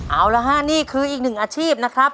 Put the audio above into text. เอาละฮะนี่คืออีกหนึ่งอาชีพนะครับ